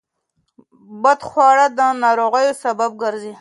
بدخواړه د ناروغیو سبب ګرځي.